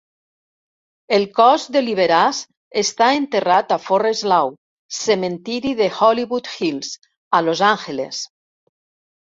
El cos de Liberace està enterrat a Forest Lawn, cementiri de Hollywood Hills, a Los Angeles.